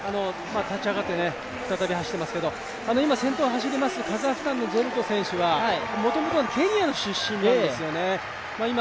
立ち上がって再び走っていますけど今先頭を走りますカザフスタンのジェルト選手はもともとケニアの出身なんですよね。